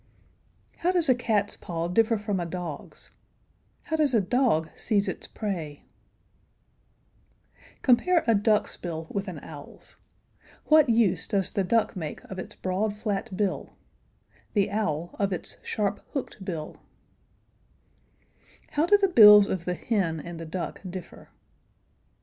How does a cat's paw differ from a dog's? How does a dog seize its prey? [Illustration: DUCK'S FOOT.] [Illustration: HEN'S FOOT.] Compare a duck's bill with an owl's. What use does the duck make of its broad flat bill? The owl, of its sharp hooked bill? How do the bills of the hen and the duck differ?